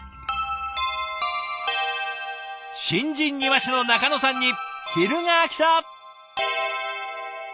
新人庭師の仲野さんに昼がきた！